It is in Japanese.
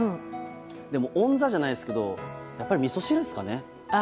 でもオンザじゃないですけどやっぱりみそ汁ですかね。